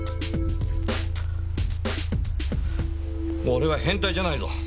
俺は変態じゃないぞ。